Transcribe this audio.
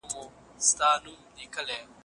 آیا مېله کول په رښتیا هم د انسان وخت ضایع کوي؟